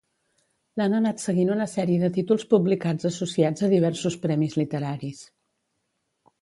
L'han anat seguint una sèrie de títols publicats associats a diversos premis literaris.